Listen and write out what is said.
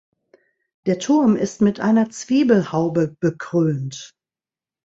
Der Turm ist mit einer Zwiebelhaube bekrönt.